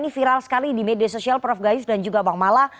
ini viral sekali di media sosial prof gayus dan juga bang mala